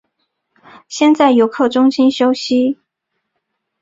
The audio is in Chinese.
先在游客中心休息